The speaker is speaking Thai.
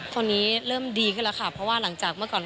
ตอนนี้เริ่มดีขึ้นแล้วค่ะเพราะว่าหลังจากเมื่อก่อน